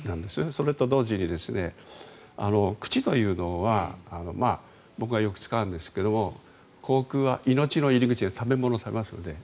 それと同時に口というのは僕がよく使うんですが口腔は命の入り口食べ物を食べますので。